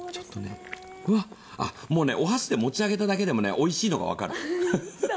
もうね、お箸で持ち上げただけでもおいしいのが分かる。